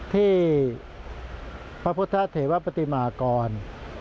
ที่พระพุทธเทวปฏิมากร